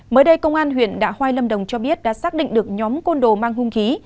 mới đây công an huyện đạ hoai lâm đồng cho biết đã xác định được nhóm côn đồ mang hung khí